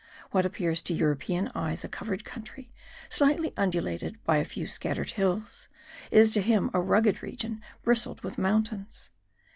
What appears to European eyes a covered country, slightly undulated by a few scattered hills, is to him a rugged region bristled with mountains.